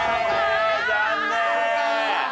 残念。